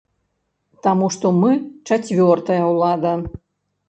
Таму што мы чацвёртая ўлада.